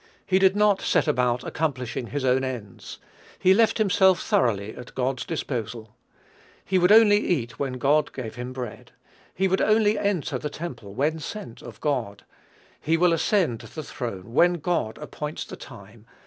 He did not set about accomplishing his own ends. He left himself thoroughly at God's disposal. He would only eat when God gave him bread; he would only enter the temple when sent of God; he will ascend the throne when God appoints the time.